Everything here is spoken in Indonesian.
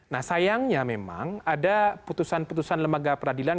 nah sayangnya memang ada putusan putusan lembaga peradilan